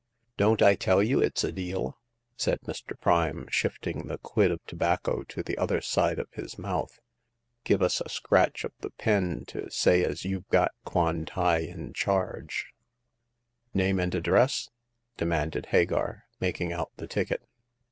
Don't I tell you it*s a deal ?" said Mr. Prime, shifting the quid of tobacco to the other side of his mouth. " Give us a scratch of the pen to sayasyouWc got Kwan tai in charge," The Third Customer. 91 Name and address ?*' demanded Hagar, making out the ticket.